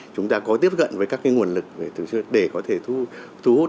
chúng ta có tiếp cận với các nguồn lực để có thể thu hút